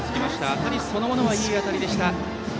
当たりそのものはいい当たりでした。